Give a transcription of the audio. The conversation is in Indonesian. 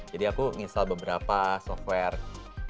jadi aku install beberapa software